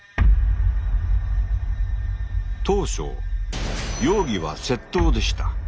当初容疑は窃盗でした。